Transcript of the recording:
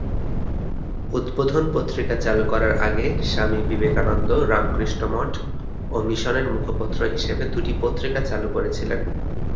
উদ্বোধন পত্রিকা চালু করার আগে স্বামী বিবেকানন্দ রামকৃষ্ণ মঠ ও মিশনের মুখপত্র হিসেবে দুটি পত্রিকা চালু করেছিলেন।